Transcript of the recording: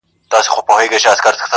سړي خلګو ته ویله لاس مو خلاص دئ,